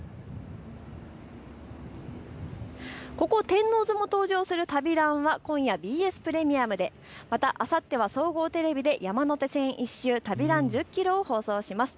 ここ天王洲も登場する旅ランは今夜、ＢＳプレミアムで、またあさっては総合テレビで山手線一周旅ラン１０キロを放送します。